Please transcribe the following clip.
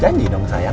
janji dong sayang